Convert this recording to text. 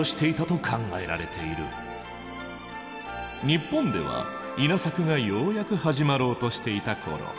日本では稲作がようやく始まろうとしていた頃。